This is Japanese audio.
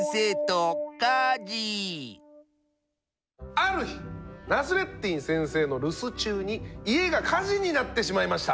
ある日ナスレッディン先生の留守中に家が火事になってしまいました。